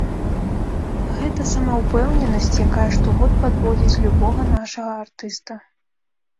Гэта самаўпэўненасць, якая штогод падводзіць любога нашага артыста.